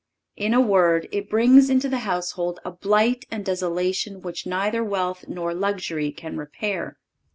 In a word, it brings into the household a blight and desolation which neither wealth nor luxury can repair.